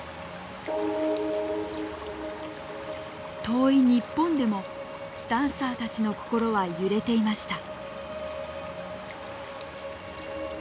遠い日本でもダンサーたちの心は揺れていました。